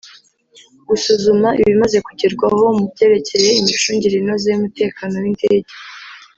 Gusuzuma ibimaze kugerwaho mu byerekeye imicungire inoze y’umutekano w’indege